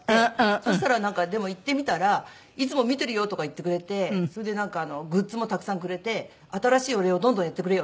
そしたらなんかでも行ってみたら「いつも見てるよ」とか言ってくれてそれでなんかグッズもたくさんくれて「新しい俺をどんどんやってくれよ」